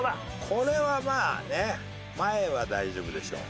これはまあね前は大丈夫でしょう。